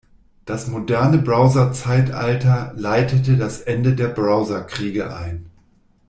Das moderne Browser-Zeitalter leitete das Ende der Browser-Kriege ein.